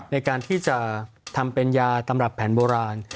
ในการที่จะทำเป็นยาตำรับแผนโบราณ